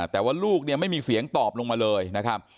แต่ว่าลูกเนี่ยไม่มีเสียงตอบลงมาเลยนะครับ